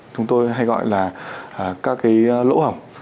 chúng tôi hay gọi là các cái lỗ hỏng